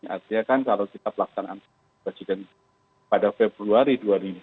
artinya kan kalau kita pelaksanaan presiden pada februari dua ribu dua puluh